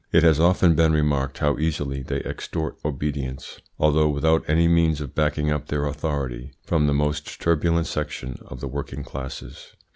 It has often been remarked how easily they extort obedience, although without any means of backing up their authority, from the most turbulent section of the working classes.